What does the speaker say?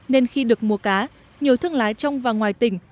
nên khi được mùa cá nhiều thương lái trong và ngoài tỉnh